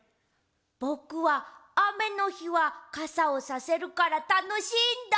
ぼくはあめのひはかさをさせるからたのしいんだ！